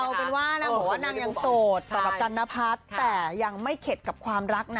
เอาเป็นว่านางบอกว่านางยังโสดสำหรับจันนพัฒน์แต่ยังไม่เข็ดกับความรักนะ